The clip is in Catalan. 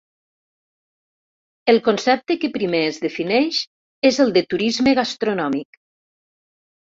El concepte que primer es defineix és el de turisme gastronòmic.